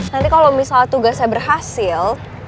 nanti kalau misal tugasnya berhasil